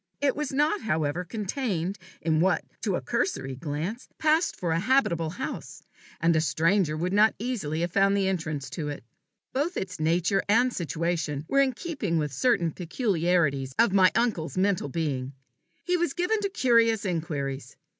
It was not, however, contained in what, to a cursory glance, passed for the habitable house, and a stranger would not easily have found the entrance to it. Both its nature and situation were in keeping with certain peculiarities of my uncle's mental being. He was given to curious inquiries.